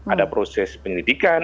ada proses penyelidikan